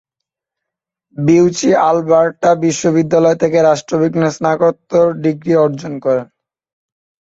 বিউচি Alberta বিশ্ববিদ্যালয় থেকে রাষ্ট্রবিজ্ঞানে স্নাতকোত্তর ডিগ্রি অর্জন করেন।